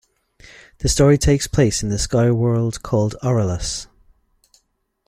The story takes place in the sky world called Orelus.